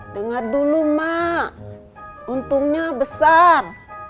dengar dulu mak untungnya besar